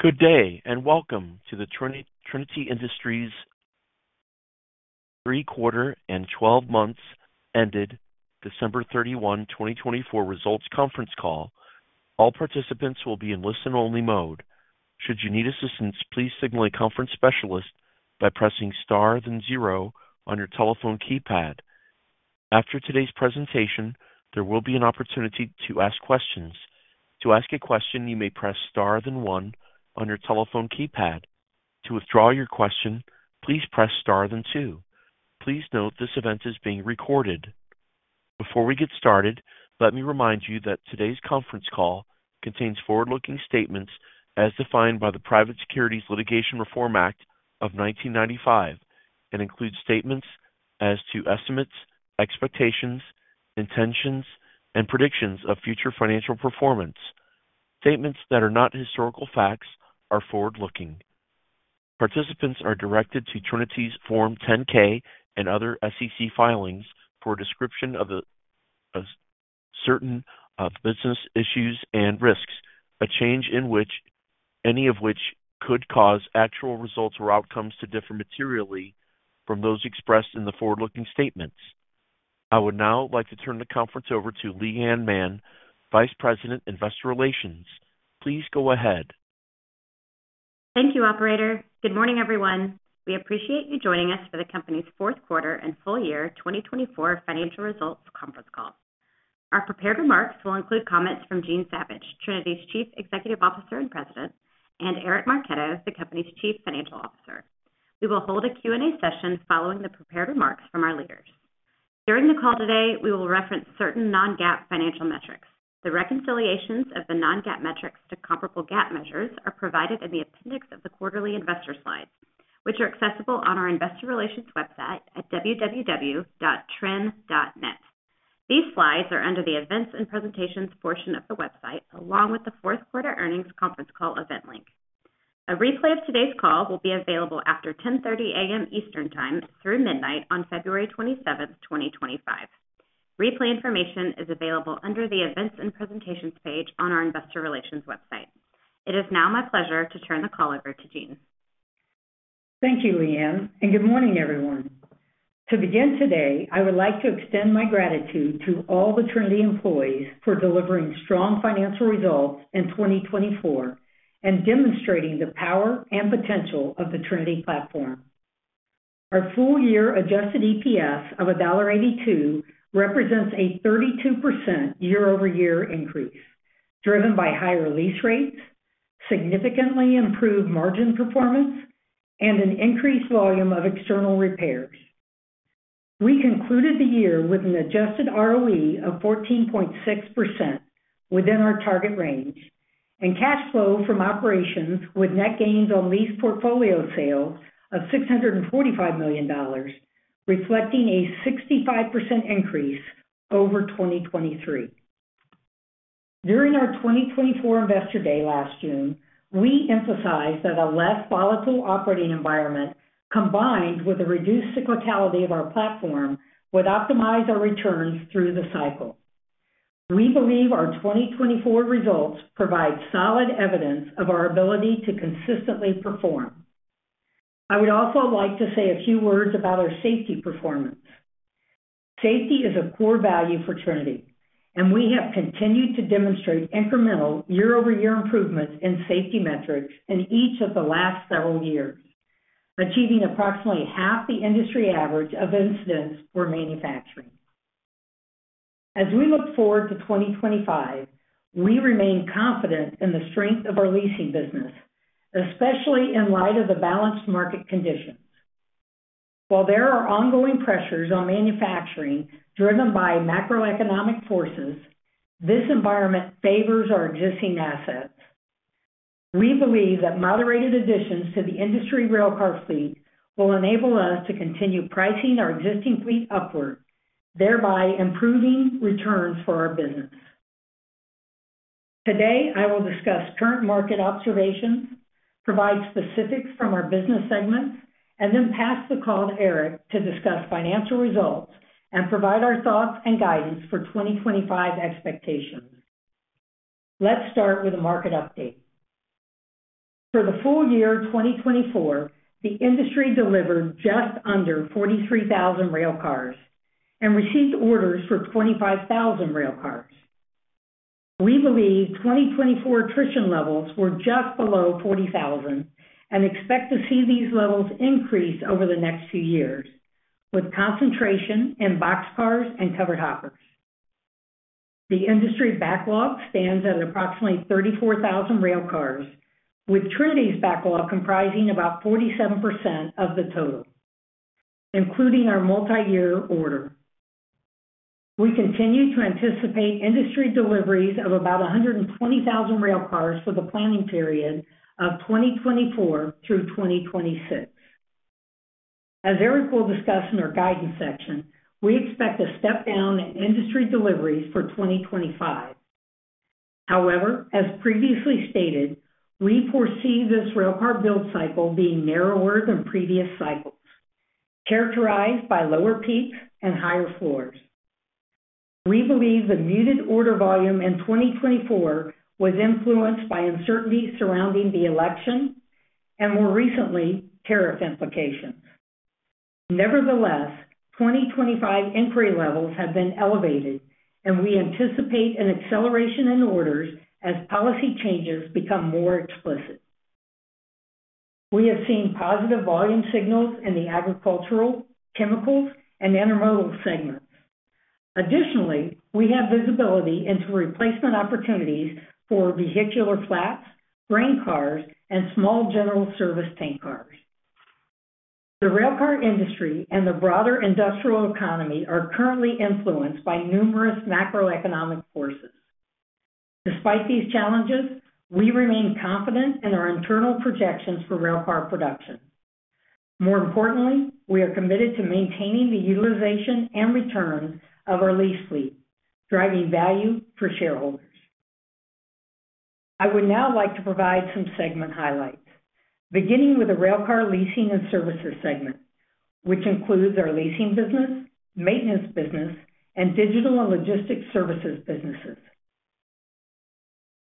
Good day and welcome to the Trinity Industries' third quarter and 12 months ended December 31, 2024, results conference call. All participants will be in listen-only mode. Should you need assistance, please signal a conference specialist by pressing star then zero on your telephone keypad. After today's presentation, there will be an opportunity to ask questions. To ask a question, you may press star then one on your telephone keypad. To withdraw your question, please press star then two. Please note this event is being recorded. Before we get started, let me remind you that today's conference call contains forward-looking statements as defined by the Private Securities Litigation Reform Act of 1995 and includes statements as to estimates, expectations, intentions, and predictions of future financial performance. Statements that are not historical facts are forward-looking. Participants are directed to Trinity's Form 10-K and other SEC filings for a description of certain business issues and risks, any of which could cause actual results or outcomes to differ materially from those expressed in the forward-looking statements. I would now like to turn the conference over to Leigh Anne Mann, Vice President, Investor Relations. Please go ahead. Thank you, Operator. Good morning, everyone. We appreciate you joining us for the company's fourth quarter and full-year 2024 financial results conference call. Our prepared remarks will include comments from Jean Savage, Trinity's Chief Executive Officer and President, and Eric Marchetto, the company's Chief Financial Officer. We will hold a Q&A session following the prepared remarks from our leaders. During the call today, we will reference certain non-GAAP financial metrics. The reconciliations of the non-GAAP metrics to comparable GAAP measures are provided in the appendix of the quarterly investor slides, which are accessible on our Investor Relations website at www.trin.net. These slides are under the events and presentations portion of the website, along with the fourth quarter earnings conference call event link. A replay of today's call will be available after 10:30 A.M. Eastern Time through midnight on February 27th, 2025. Replay information is available under the events and presentations page on our Investor Relations website. It is now my pleasure to turn the call over to Jean. Thank you, Leigh Anne, and good morning, everyone. To begin today, I would like to extend my gratitude to all the Trinity employees for delivering strong financial results in 2024 and demonstrating the power and potential of the Trinity platform. Our full-year adjusted EPS of $1.82 represents a 32% year-over-year increase, driven by higher lease rates, significantly improved margin performance, and an increased volume of external repairs. We concluded the year with an adjusted ROE of 14.6% within our target range and cash flow from operations with net gains on lease portfolio sales of $645 million, reflecting a 65% increase over 2023. During our 2024 Investor Day last June, we emphasized that a less volatile operating environment, combined with a reduced cyclicality of our platform, would optimize our returns through the cycle. We believe our 2024 results provide solid evidence of our ability to consistently perform. I would also like to say a few words about our safety performance. Safety is a core value for Trinity, and we have continued to demonstrate incremental year-over-year improvements in safety metrics in each of the last several years, achieving approximately half the industry average of incidents for manufacturing. As we look forward to 2025, we remain confident in the strength of our leasing business, especially in light of the balanced market conditions. While there are ongoing pressures on manufacturing driven by macroeconomic forces, this environment favors our existing assets. We believe that moderated additions to the industry railcar fleet will enable us to continue pricing our existing fleet upward, thereby improving returns for our business. Today, I will discuss current market observations, provide specifics from our business segments, and then pass the call to Eric to discuss financial results and provide our thoughts and guidance for 2025 expectations. Let's start with a market update. For the full year 2024, the industry delivered just under 43,000 railcars and received orders for 25,000 railcars. We believe 2024 attrition levels were just below 40,000 and expect to see these levels increase over the next few years, with concentration in boxcars and covered hoppers. The industry backlog stands at approximately 34,000 railcars, with Trinity's backlog comprising about 47% of the total, including our multi-year order. We continue to anticipate industry deliveries of about 120,000 railcars for the planning period of 2024 through 2026. As Eric will discuss in our guidance section, we expect a step down in industry deliveries for 2025. However, as previously stated, we foresee this railcar build cycle being narrower than previous cycles, characterized by lower peaks and higher floors. We believe the muted order volume in 2024 was influenced by uncertainty surrounding the election and, more recently, tariff implications. Nevertheless, 2025 inquiry levels have been elevated, and we anticipate an acceleration in orders as policy changes become more explicit. We have seen positive volume signals in the Agricultural, Chemicals, and Intermodal segments. Additionally, we have visibility into replacement opportunities for vehicular flats, grain cars, and small general service tank cars. The railcar industry and the broader industrial economy are currently influenced by numerous macroeconomic forces. Despite these challenges, we remain confident in our internal projections for railcar production. More importantly, we are committed to maintaining the utilization and returns of our lease fleet, driving value for shareholders. I would now like to provide some segment highlights, beginning with the Railcar Leasing and Services segment, which includes our leasing business, maintenance business, and digital and logistics services businesses.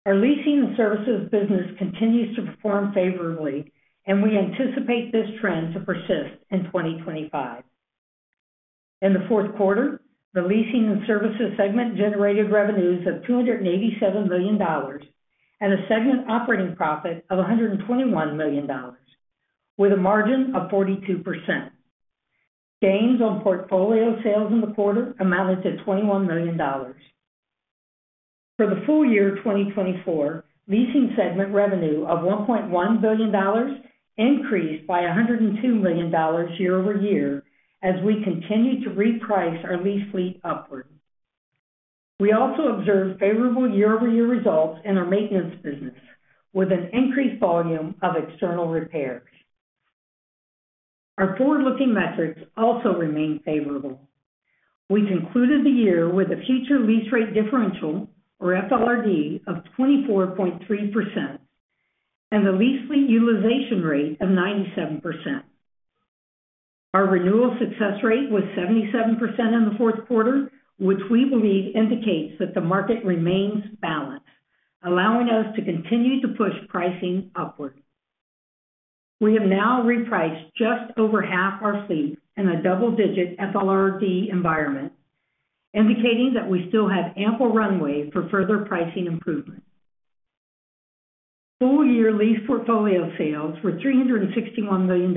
Our leasing and services business continues to perform favorably, and we anticipate this trend to persist in 2025. In the fourth quarter, the Leasing and Services segment generated revenues of $287 million and a segment operating profit of $121 million, with a margin of 42%. Gains on portfolio sales in the quarter amounted to $21 million. For the full year 2024, Leasing segment revenue of $1.1 billion increased by $102 million year-over-year as we continue to reprice our lease fleet upward. We also observed favorable year-over-year results in our maintenance business, with an increased volume of external repairs. Our forward-looking metrics also remain favorable. We concluded the year with a future lease rate differential, or FLRD, of 24.3% and the lease fleet utilization rate of 97%. Our renewal success rate was 77% in the fourth quarter, which we believe indicates that the market remains balanced, allowing us to continue to push pricing upward. We have now repriced just over half our fleet in a double-digit FLRD environment, indicating that we still have ample runway for further pricing improvement. Full-year lease portfolio sales were $361 million,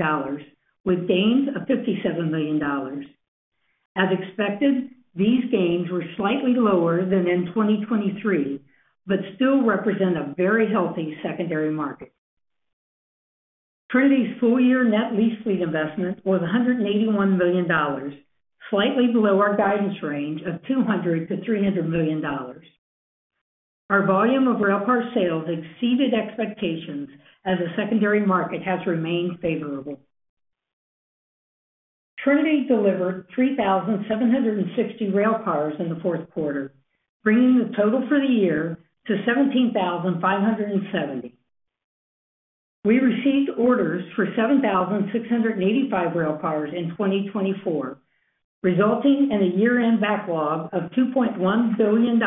with gains of $57 million. As expected, these gains were slightly lower than in 2023, but still represent a very healthy secondary market. Trinity's full-year net lease fleet investment was $181 million, slightly below our guidance range of $200 million-$300 million. Our volume of railcar sales exceeded expectations as a secondary market has remained favorable. Trinity delivered 3,760 railcars in the fourth quarter, bringing the total for the year to 17,570. We received orders for 7,685 railcars in 2024, resulting in a year-end backlog of $2.1 billion.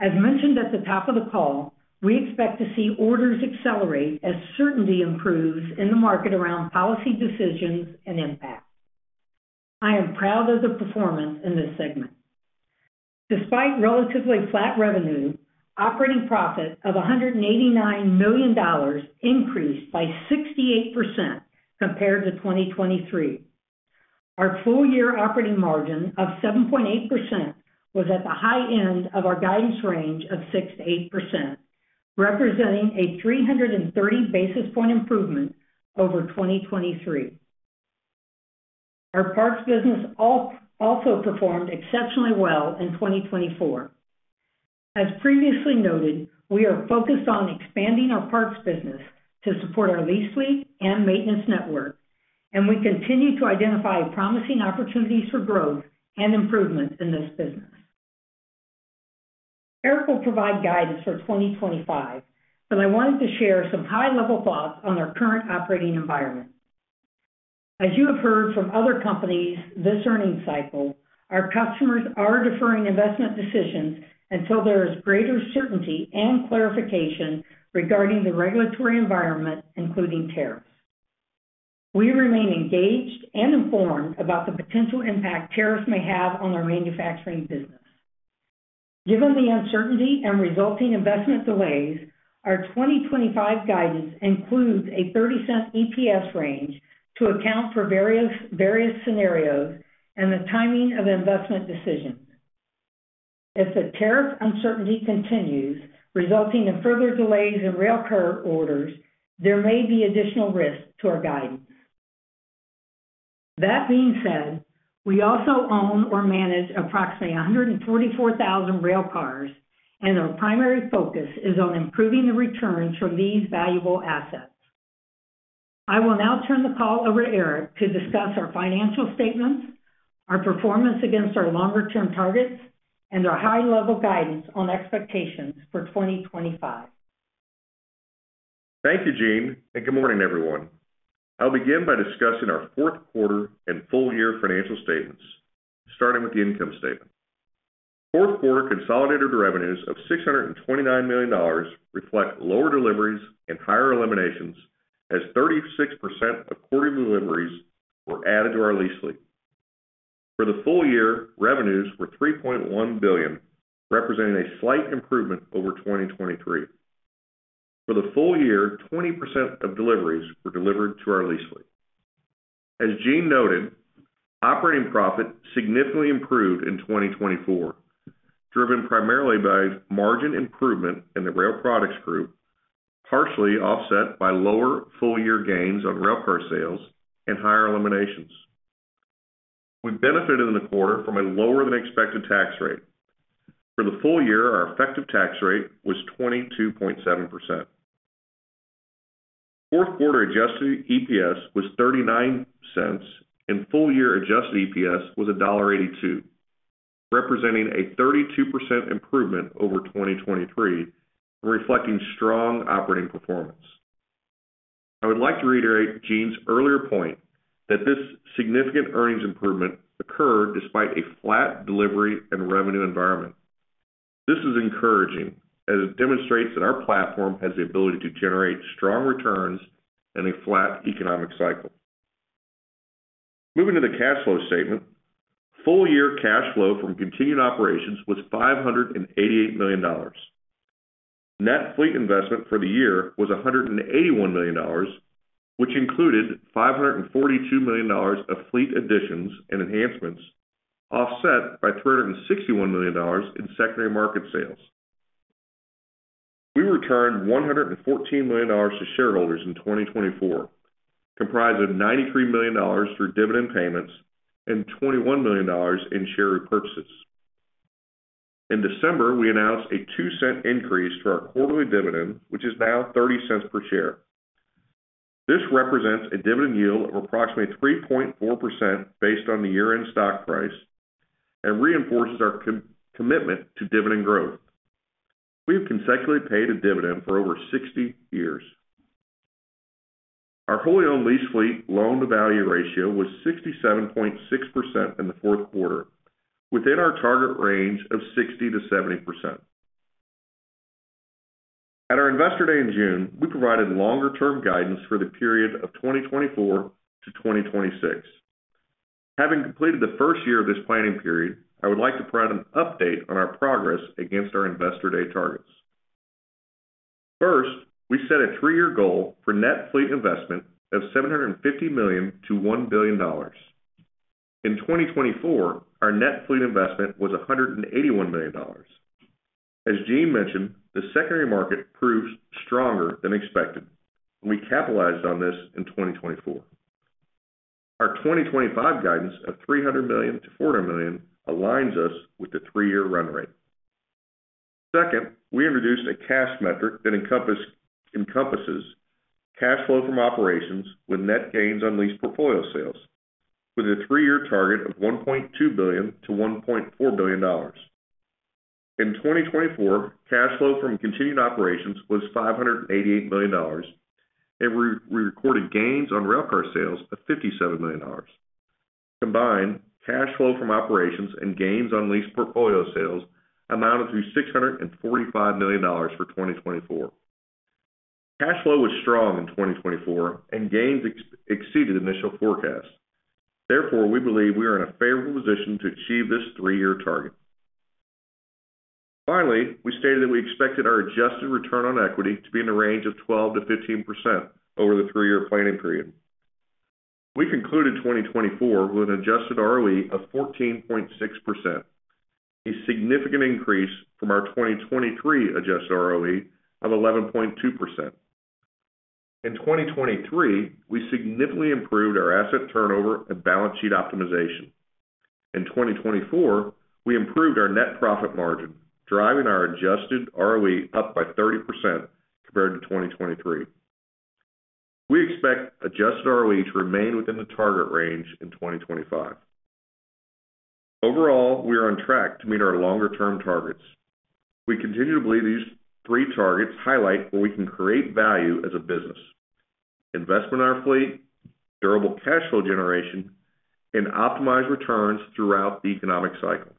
As mentioned at the top of the call, we expect to see orders accelerate as certainty improves in the market around policy decisions and impact. I am proud of the performance in this segment. Despite relatively flat revenue, operating profit of $189 million increased by 68% compared to 2023. Our full-year operating margin of 7.8% was at the high end of our guidance range of 6%-8%, representing a 330 basis points improvement over 2023. Our parts business also performed exceptionally well in 2024. As previously noted, we are focused on expanding our parts business to support our lease fleet and maintenance network, and we continue to identify promising opportunities for growth and improvement in this business. Eric will provide guidance for 2025, but I wanted to share some high-level thoughts on our current operating environment. As you have heard from other companies this earnings cycle, our customers are deferring investment decisions until there is greater certainty and clarification regarding the regulatory environment, including tariffs. We remain engaged and informed about the potential impact tariffs may have on our manufacturing business. Given the uncertainty and resulting investment delays, our 2025 guidance includes a $0.30 EPS range to account for various scenarios and the timing of investment decisions. If the tariff uncertainty continues, resulting in further delays in railcar orders, there may be additional risk to our guidance. That being said, we also own or manage approximately 144,000 railcars, and our primary focus is on improving the returns from these valuable assets. I will now turn the call over to Eric to discuss our financial statements, our performance against our longer-term targets, and our high-level guidance on expectations for 2025. Thank you, Jean, and good morning, everyone. I'll begin by discussing our fourth quarter and full-year financial statements, starting with the income statement. Fourth quarter consolidated revenues of $629 million reflect lower deliveries and higher eliminations as 36% of quarterly deliveries were added to our lease fleet. For the full year, revenues were $3.1 billion, representing a slight improvement over 2023. For the full year, 20% of deliveries were delivered to our lease fleet. As Jean noted, operating profit significantly improved in 2024, driven primarily by margin improvement in the Rail Products Group, partially offset by lower full-year gains on railcar sales and higher eliminations. We benefited in the quarter from a lower-than-expected tax rate. For the full year, our effective tax rate was 22.7%. Fourth quarter adjusted EPS was $0.39, and full-year adjusted EPS was $1.82, representing a 32% improvement over 2023 and reflecting strong operating performance. I would like to reiterate Jean's earlier point that this significant earnings improvement occurred despite a flat delivery and revenue environment. This is encouraging as it demonstrates that our platform has the ability to generate strong returns and a flat economic cycle. Moving to the cash flow statement, full-year cash flow from continuing operations was $588 million. Net fleet investment for the year was $181 million, which included $542 million of fleet additions and enhancements, offset by $361 million in secondary market sales. We returned $114 million to shareholders in 2024, comprised of $93 million through dividend payments and $21 million in share repurchases. In December, we announced a $0.02 increase to our quarterly dividend, which is now $0.30 per share. This represents a dividend yield of approximately 3.4% based on the year-end stock price and reinforces our commitment to dividend growth. We have consecutively paid a dividend for over 60 years. Our wholly-owned lease fleet loan-to-value ratio was 67.6% in the fourth quarter, within our target range of 60%-70%. At our Investor Day in June, we provided longer-term guidance for the period of 2024 to 2026. Having completed the first year of this planning period, I would like to provide an update on our progress against our Investor Day targets. First, we set a three-year goal for net fleet investment of $750 million to $1 billion. In 2024, our net fleet investment was $181 million. As Jean mentioned, the secondary market proved stronger than expected, and we capitalized on this in 2024. Our 2025 guidance of $300 million-$400 million aligns us with the three-year run rate. Second, we introduced a cash metric that encompasses cash flow from operations with net gains on lease portfolio sales, with a three-year target of $1.2 billion-$1.4 billion. In 2024, cash flow from continued operations was $588 million, and we recorded gains on railcar sales of $57 million. Combined, cash flow from operations and gains on lease portfolio sales amounted to $645 million for 2024. Cash flow was strong in 2024, and gains exceeded initial forecasts. Therefore, we believe we are in a favorable position to achieve this three-year target. Finally, we stated that we expected our adjusted return on equity to be in the range of 12%-15% over the three-year planning period. We concluded 2024 with an adjusted ROE of 14.6%, a significant increase from our 2023 adjusted ROE of 11.2%. In 2023, we significantly improved our asset turnover and balance sheet optimization. In 2024, we improved our net profit margin, driving our Adjusted ROE up by 30% compared to 2023. We expect Adjusted ROE to remain within the target range in 2025. Overall, we are on track to meet our longer-term targets. We continue to believe these three targets highlight where we can create value as a business: investment in our fleet, durable cash flow generation, and optimized returns throughout the economic cycle.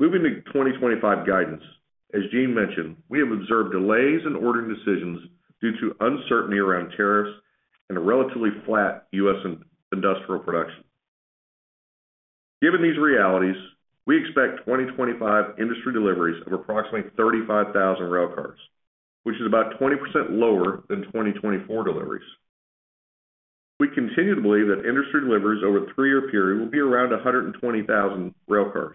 Moving to 2025 guidance, as Jean mentioned, we have observed delays in ordering decisions due to uncertainty around tariffs and a relatively flat U.S. industrial production. Given these realities, we expect 2025 industry deliveries of approximately 35,000 railcars, which is about 20% lower than 2024 deliveries. We continue to believe that industry deliveries over the three-year period will be around 120,000 railcars,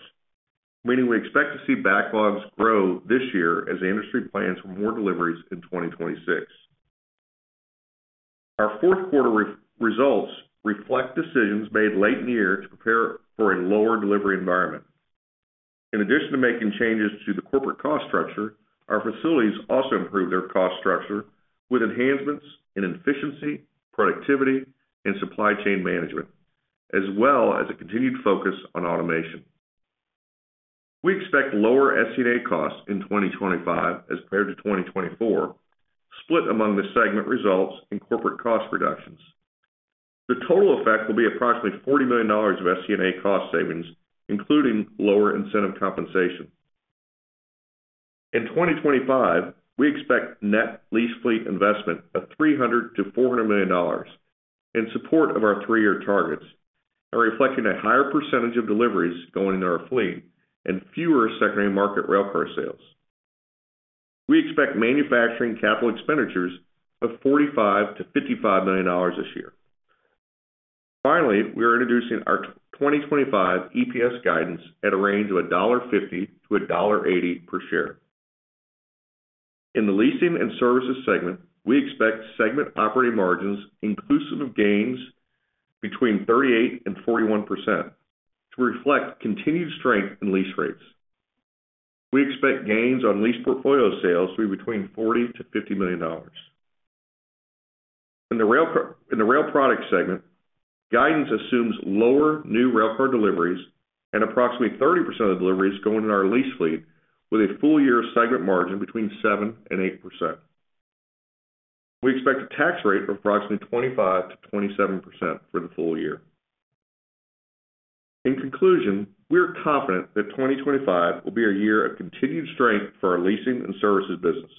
meaning we expect to see backlogs grow this year as the industry plans for more deliveries in 2026. Our fourth quarter results reflect decisions made late in the year to prepare for a lower delivery environment. In addition to making changes to the corporate cost structure, our facilities also improved their cost structure with enhancements in efficiency, productivity, and supply chain management, as well as a continued focus on automation. We expect lower SG&A costs in 2025 as compared to 2024, split among the segment results and corporate cost reductions. The total effect will be approximately $40 million of SG&A cost savings, including lower incentive compensation. In 2025, we expect net lease fleet investment of $300 million-$400 million in support of our three-year targets, reflecting a higher percentage of deliveries going into our fleet and fewer secondary market railcar sales. We expect manufacturing capital expenditures of $45 million-$55 million this year. Finally, we are introducing our 2025 EPS guidance at a range of $1.50-$1.80 per share. In the Leasing and Services segment, we expect segment operating margins inclusive of gains between 38% and 41% to reflect continued strength in lease rates. We expect gains on lease portfolio sales to be between $40 million and $50 million. In the Rail Products segment, guidance assumes lower new railcar deliveries and approximately 30% of the deliveries going into our lease fleet, with a full-year segment margin between 7% and 8%. We expect a tax rate of approximately 25%-27% for the full year. In conclusion, we are confident that 2025 will be a year of continued strength for our leasing and services business.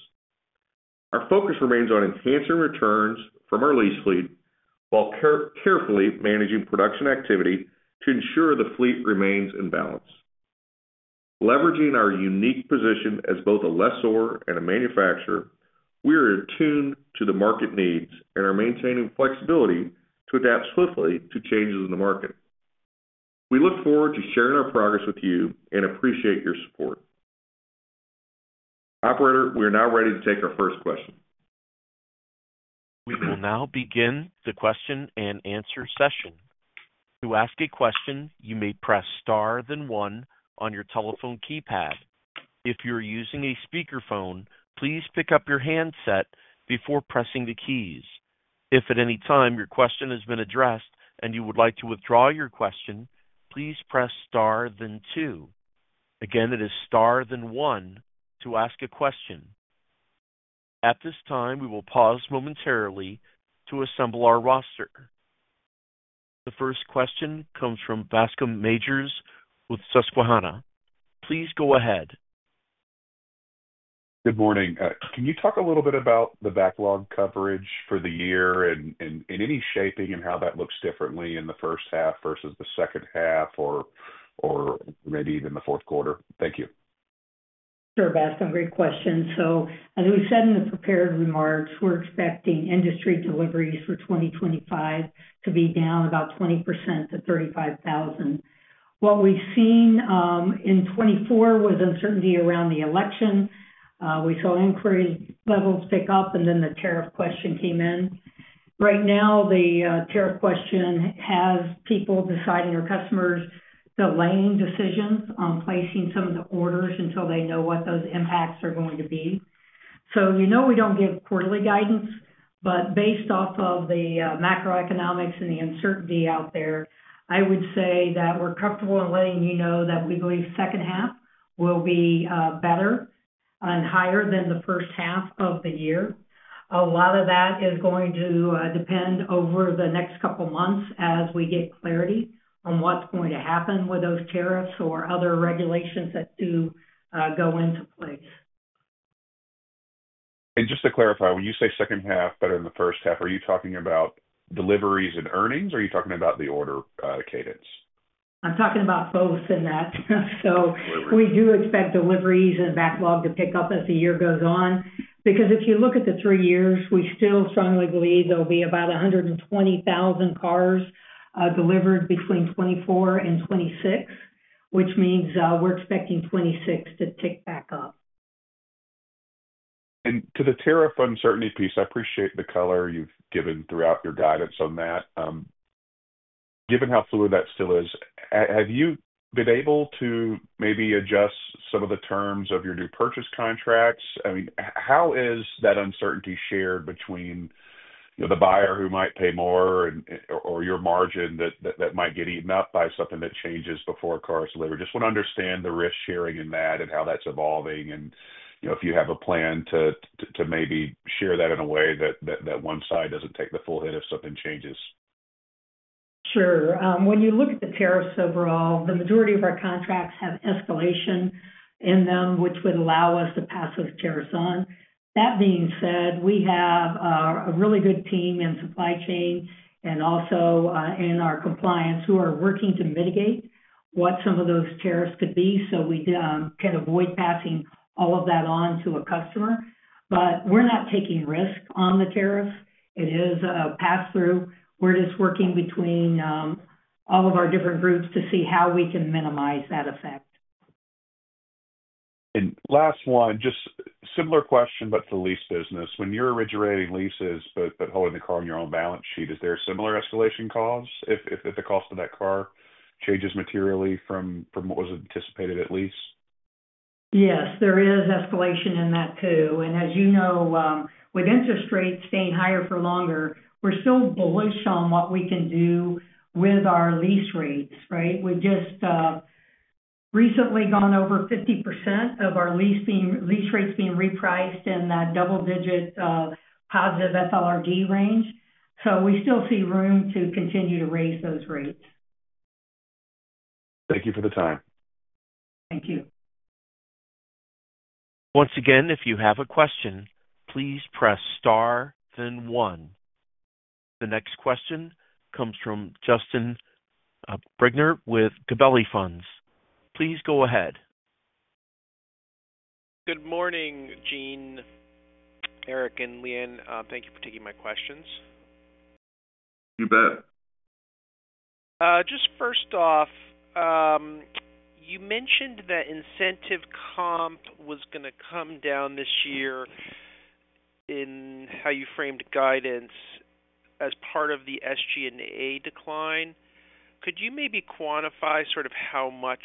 Our focus remains on enhancing returns from our lease fleet while carefully managing production activity to ensure the fleet remains in balance. Leveraging our unique position as both a lessor and a manufacturer, we are attuned to the market needs and are maintaining flexibility to adapt swiftly to changes in the market. We look forward to sharing our progress with you and appreciate your support. Operator, we are now ready to take our first question. We will now begin the question and answer session. To ask a question, you may press star then one on your telephone keypad. If you're using a speakerphone, please pick up your handset before pressing the keys. If at any time your question has been addressed and you would like to withdraw your question, please press star then two. Again, it is star then one to ask a question. At this time, we will pause momentarily to assemble our roster. The first question comes from Bascome Majors with Susquehanna. Please go ahead. Good morning. Can you talk a little bit about the backlog coverage for the year and any shaping and how that looks differently in the first half versus the second half or maybe even the fourth quarter? Thank you. Sure, Bascome, great question. So as we said in the prepared remarks, we're expecting industry deliveries for 2025 to be down about 20% to 35,000. What we've seen in 2024 was uncertainty around the election. We saw inquiry levels pick up, and then the tariff question came in. Right now, the tariff question has people deciding or customers delaying decisions on placing some of the orders until they know what those impacts are going to be. So we don't give quarterly guidance, but based off of the macroeconomics and the uncertainty out there, I would say that we're comfortable in letting you know that we believe the second half will be better and higher than the first half of the year. A lot of that is going to depend over the next couple of months as we get clarity on what's going to happen with those tariffs or other regulations that do go into place. Just to clarify, when you say second half, but in the first half, are you talking about deliveries and earnings, or are you talking about the order cadence? I'm talking about both in that. So we do expect deliveries and backlog to pick up as the year goes on. Because if you look at the three years, we still strongly believe there'll be about 120,000 cars delivered between 2024 and 2026, which means we're expecting 2026 to tick back up. And to the tariff uncertainty piece, I appreciate the color you've given throughout your guidance on that. Given how fluid that still is, have you been able to maybe adjust some of the terms of your new purchase contracts? I mean, how is that uncertainty shared between the buyer who might pay more or your margin that might get eaten up by something that changes before cars deliver? Just want to understand the risk sharing in that and how that's evolving. And if you have a plan to maybe share that in a way that one side doesn't take the full hit if something changes? Sure. When you look at the tariffs overall, the majority of our contracts have escalation in them, which would allow us to pass those tariffs on. That being said, we have a really good team in supply chain and also in our compliance who are working to mitigate what some of those tariffs could be so we can avoid passing all of that on to a customer. But we're not taking risk on the tariffs. It is a pass-through. We're just working between all of our different groups to see how we can minimize that effect. And last one, just similar question, but for lease business. When you're originating leases but holding the car on your own balance sheet, is there similar escalation costs if the cost of that car changes materially from what was anticipated at lease? Yes, there is escalation in that too, and as you know, with interest rates staying higher for longer, we're still bullish on what we can do with our lease rates, right? We've just recently gone over 50% of our lease rates being repriced in that double-digit positive FLRD range, so we still see room to continue to raise those rates. Thank you for the time. Thank you. Once again, if you have a question, please press star then one. The next question comes from Justin Bergner with Gabelli Funds. Please go ahead. Good morning, Jean, Eric, and Leigh Anne. Thank you for taking my questions. You bet. Just first off, you mentioned that incentive comp was going to come down this year in how you framed guidance as part of the SG&A decline. Could you maybe quantify sort of how much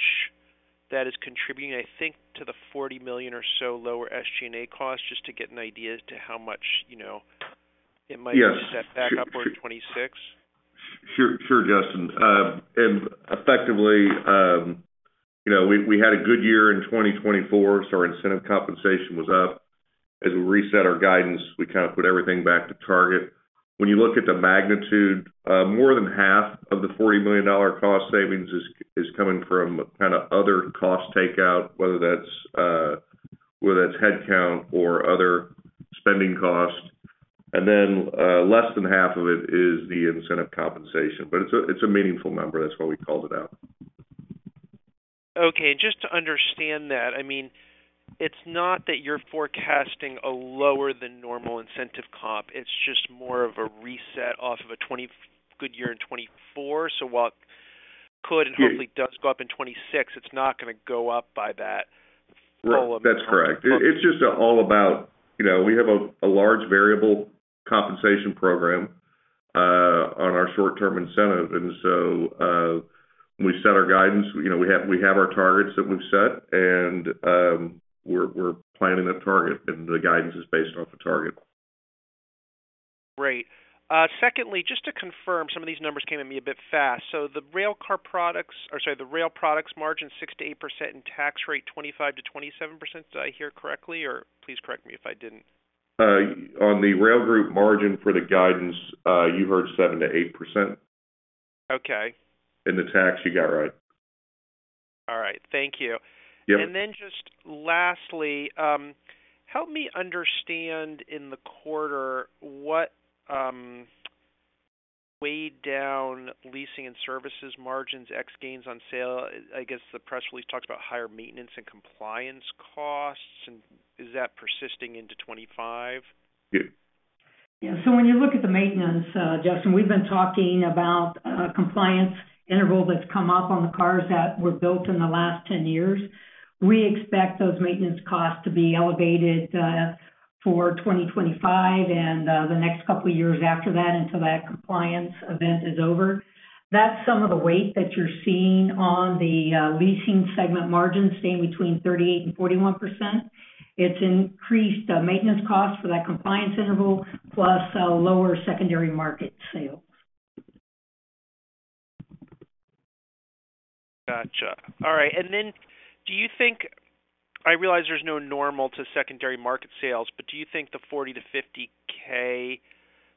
that is contributing, I think, to the $40 million or so lower SG&A costs, just to get an idea as to how much it might set back upward in 2026? Sure, Justin. And effectively, we had a good year in 2024, so our incentive compensation was up. As we reset our guidance, we kind of put everything back to target. When you look at the magnitude, more than half of the $40 million cost savings is coming from kind of other cost takeout, whether that's headcount or other spending costs. And then less than half of it is the incentive compensation. But it's a meaningful number. That's why we called it out. Okay. Just to understand that, I mean, it's not that you're forecasting a lower than normal incentive comp. It's just more of a reset off of a good year in 2024. So while it could and hopefully does go up in 2026, it's not going to go up by that full amount. That's correct. It's just all about we have a large variable compensation program on our short-term incentive, and so we set our guidance. We have our targets that we've set, and we're planning a target, and the guidance is based off the target. Great. Secondly, just to confirm, some of these numbers came at me a bit fast. So the railcar products or sorry, the Rail Products margin 6%-8% and tax rate 25%-27%. Did I hear correctly, or please correct me if I didn't? On the rail group margin for the guidance, you heard 7%-8%. Okay. The tax, you got right. All right. Thank you. And then just lastly, help me understand in the quarter what weighed down leasing and services margins, ex gains on sale. I guess the press release talks about higher maintenance and compliance costs. And is that persisting into 2025? Yeah. Yeah, so when you look at the maintenance, Justin, we've been talking about a compliance interval that's come up on the cars that were built in the last 10 years. We expect those maintenance costs to be elevated for 2025 and the next couple of years after that until that compliance event is over. That's some of the weight that you're seeing on the Leasing segment margin staying between 38% and 41%. It's increased maintenance costs for that compliance interval plus lower secondary market sales. Gotcha. All right. And then do you think I realize there's no normal to secondary market sales, but do you think the [$40 million-$50 million]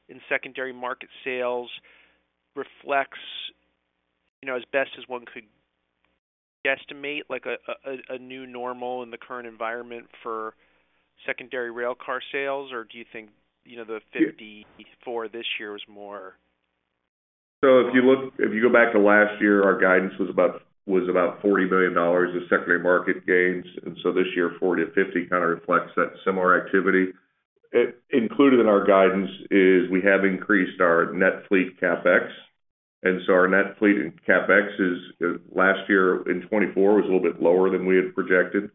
in secondary market sales reflects as best as one could estimate a new normal in the current environment for secondary railcar sales, or do you think the $54 million this year was more? So if you go back to last year, our guidance was about $40 million of secondary market gains. And so this year, $40 million-$50 million kind of reflects that similar activity. Included in our guidance is we have increased our net fleet CapEx. And so our net fleet CapEx last year in 2024 was a little bit lower than we had projected.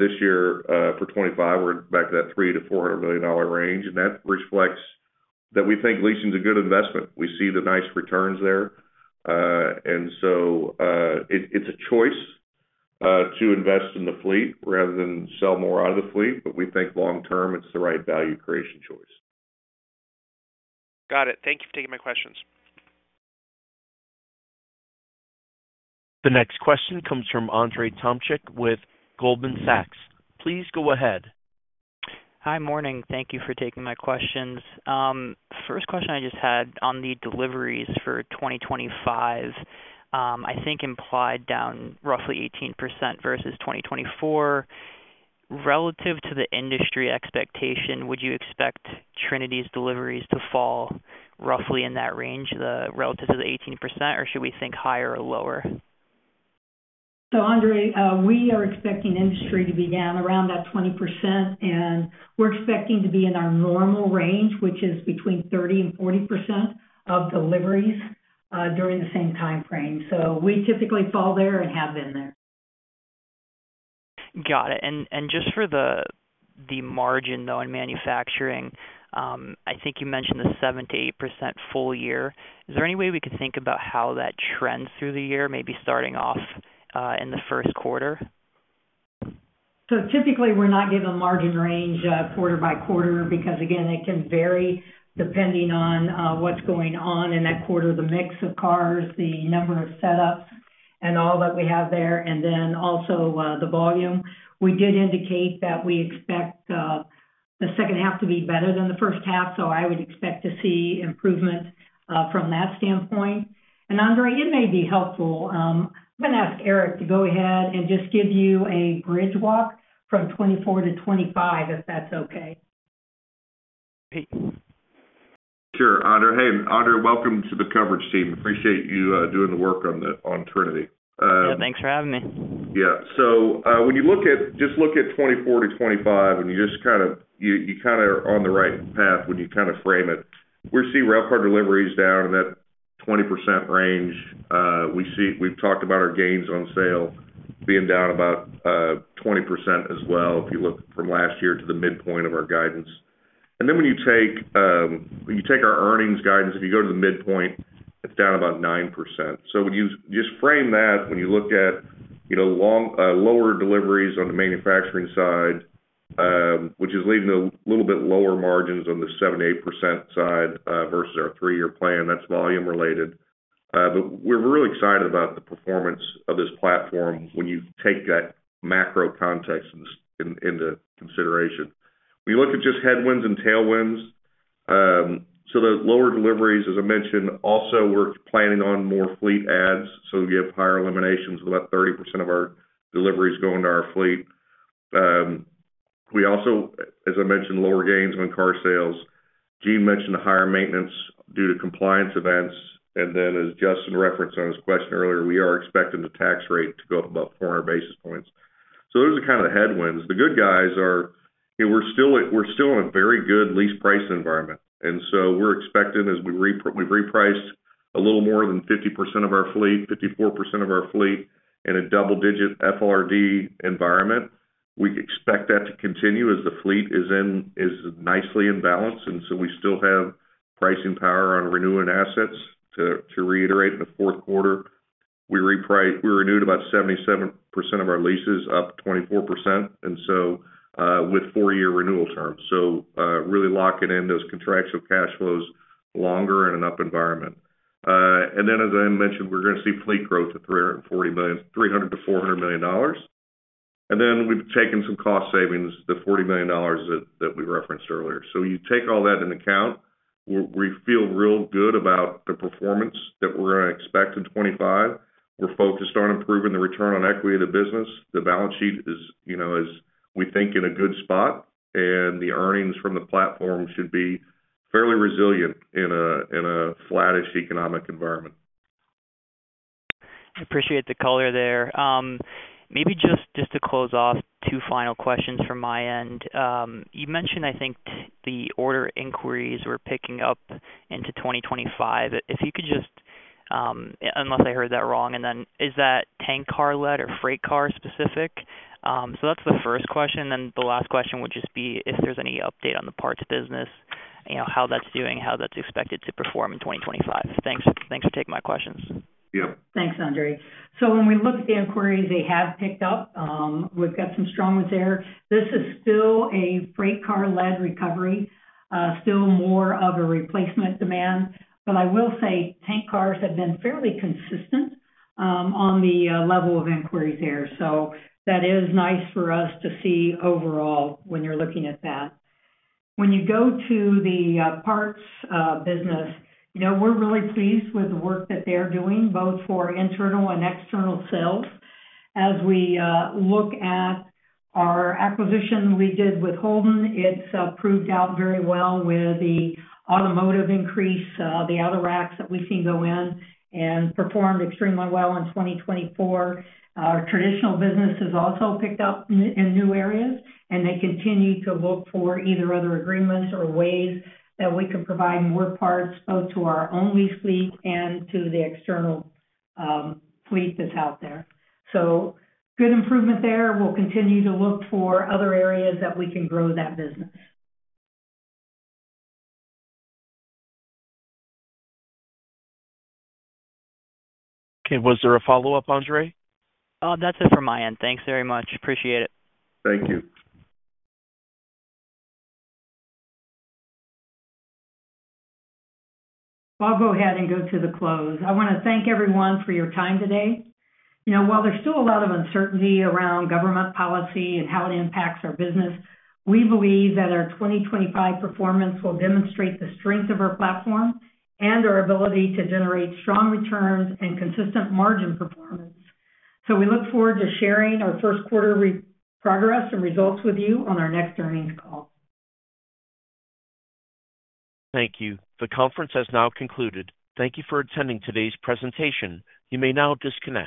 This year for 2025, we're back to that $300 million-$400 million range. And that reflects that we think leasing is a good investment. We see the nice returns there. And so it's a choice to invest in the fleet rather than sell more out of the fleet. But we think long-term, it's the right value creation choice. Got it. Thank you for taking my questions. The next question comes from Andrzej Tomczyk with Goldman Sachs. Please go ahead. Hi, morning. Thank you for taking my questions. First question I just had on the deliveries for 2025, I think implied down roughly 18% versus 2024. Relative to the industry expectation, would you expect Trinity's deliveries to fall roughly in that range relative to the 18%, or should we think higher or lower? So Andrzej, we are expecting industry to be down around that 20%. And we're expecting to be in our normal range, which is between 30% and 40% of deliveries during the same time frame. So we typically fall there and have been there. Got it. And just for the margin though in manufacturing, I think you mentioned the 7%-8% full year. Is there any way we could think about how that trends through the year, maybe starting off in the first quarter? So typically, we're not given margin range quarter by quarter because, again, it can vary depending on what's going on in that quarter, the mix of cars, the number of setups, and all that we have there, and then also the volume. We did indicate that we expect the second half to be better than the first half. So I would expect to see improvement from that standpoint. And Andrzej, it may be helpful. I'm going to ask Eric to go ahead and just give you a bridge walk from 2024 to 2025 if that's okay. Sure. Andrzej, welcome to the coverage team. Appreciate you doing the work on Trinity. Yeah. Thanks for having me. Yeah. So when you look at 2024 to 2025, and you kind of are on the right path when you kind of frame it. We see railcar deliveries down in that 20% range. We've talked about our gains on sale being down about 20% as well if you look from last year to the midpoint of our guidance. And then when you take our earnings guidance, if you go to the midpoint, it's down about 9%. So when you just frame that, when you look at lower deliveries on the manufacturing side, which is leading to a little bit lower margins on the 7%-8% side versus our three-year plan, that's volume related. But we're really excited about the performance of this platform when you take that macro context into consideration. When you look at just headwinds and tailwinds, so those lower deliveries, as I mentioned, also we're planning on more fleet adds. So we have higher eliminations of about 30% of our deliveries going to our fleet. We also, as I mentioned, lower gains on car sales. Jean mentioned the higher maintenance due to compliance events. And then, as Justin referenced on his question earlier, we are expecting the tax rate to go up about 400 basis points. So those are kind of the headwinds. The good guys are we're still in a very good lease price environment. And so we're expecting, as we've repriced a little more than 50% of our fleet, 54% of our fleet in a double-digit FLRD environment, we expect that to continue as the fleet is nicely in balance. And so we still have pricing power on renewing assets. To reiterate, in the fourth quarter, we renewed about 77% of our leases, up 24%, and so with four-year renewal terms. So really locking in those contractual cash flows longer in an up environment. And then, as I mentioned, we're going to see fleet growth to $300 million-$400 million. And then we've taken some cost savings, the $40 million that we referenced earlier. So you take all that into account, we feel real good about the performance that we're going to expect in 2025. We're focused on improving the return on equity of the business. The balance sheet is, we think, in a good spot. And the earnings from the platform should be fairly resilient in a flattish economic environment. I appreciate the color there. Maybe just to close off, two final questions from my end. You mentioned, I think, the order inquiries we're picking up into 2025. If you could just unless I heard that wrong, and then is that tank car-led or freight car specific? So that's the first question. And then the last question would just be if there's any update on the parts business, how that's doing, how that's expected to perform in 2025. Thanks for taking my questions. Yep. Thanks, Andrzej. So when we look at the inquiries they have picked up, we've got some strong ones there. This is still a freight car-led recovery, still more of a replacement demand. But I will say tank cars have been fairly consistent on the level of inquiries there. So that is nice for us to see overall when you're looking at that. When you go to the parts business, we're really pleased with the work that they're doing, both for internal and external sales. As we look at our acquisition we did with Holden, it's proved out very well with the automotive increase, the auto racks that we've seen go in, and performed extremely well in 2024. Our traditional business has also picked up in new areas, and they continue to look for either other agreements or ways that we can provide more parts both to our own lease fleet and to the external fleet that's out there. So good improvement there. We'll continue to look for other areas that we can grow that business. Okay. Was there a follow-up, Andrzej? That's it from my end. Thanks very much. Appreciate it. Thank you. I'll go ahead and go to the close. I want to thank everyone for your time today. While there's still a lot of uncertainty around government policy and how it impacts our business, we believe that our 2025 performance will demonstrate the strength of our platform and our ability to generate strong returns and consistent margin performance. So we look forward to sharing our first quarter progress and results with you on our next earnings call. Thank you. The conference has now concluded. Thank you for attending today's presentation. You may now disconnect.